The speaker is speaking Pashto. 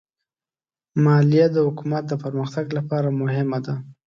مالیه د حکومت د پرمختګ لپاره مهمه ده.